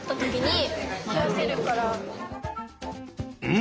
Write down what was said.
ん？